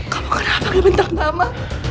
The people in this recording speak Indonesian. kamu kenapa ngebentak mama